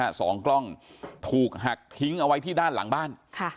สองกล้องถูกหักทิ้งเอาไว้ที่ด้านหลังบ้านค่ะ